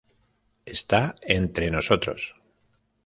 Están entre nosotros